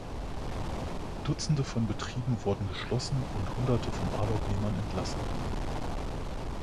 Dutzende von Betrieben wurden geschlossen und Hunderte von Arbeitnehmern entlassen.